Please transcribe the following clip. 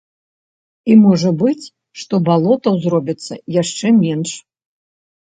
І можа быць, што балотаў зробіцца яшчэ менш.